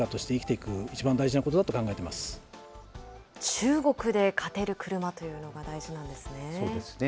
中国で勝てる車というのが大事なんですね。